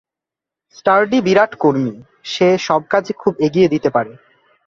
Sturdy বিরাট কর্মী, সে সব কাজই খুব এগিয়ে দিতে পারে।